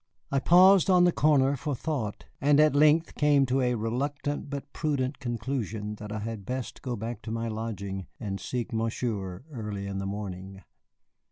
I paused on the corner for thought, and at length came to a reluctant but prudent conclusion that I had best go back to my lodging and seek Monsieur early in the morning.